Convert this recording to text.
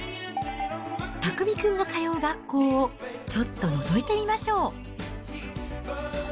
拓海君が通う学校をちょっとのぞいてみましょう。